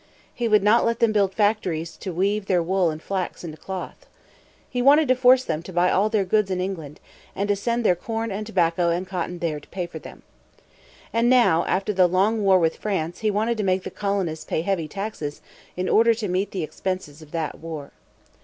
He would not let them build factories to weave their wool and flax into cloth. He wanted to force them to buy all their goods in England, and to send their corn and tobacco and cotton there to pay for them. And now after the long war with France he wanted to make the colonists pay heavy taxes in order to meet the expenses of that war.